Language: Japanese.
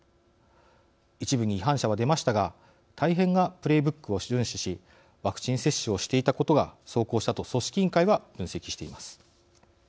一部に違反者は出ましたが大半がプレーブックを順守しワクチン接種をしていたことが奏功したと組織委員会は分析しています。